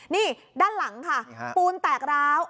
นี่ด้านหลังค่ะปูนแตกร้าว